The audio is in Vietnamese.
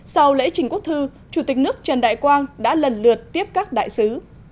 sau lễ trình quốc thư chủ tịch nước trần đại quang đã lần lượt tiếp các đại sứ